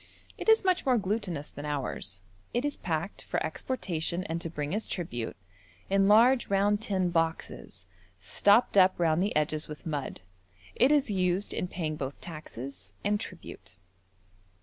It is much more glutinous than ours. It is packed, for exportation and to bring as tribute, in large round tin boxes, stopped up round the edges with mud. It is used in paying both taxes and tribute.